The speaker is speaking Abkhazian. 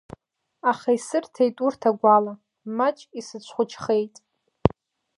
Аха исырҭеит урҭ агәала, Маҷк исыцәхәыҷхеит…